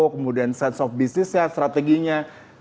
kemudian sense of business nya strateginya